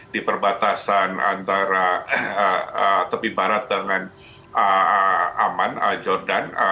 di perbatasan antara tepi barat dengan aman jordan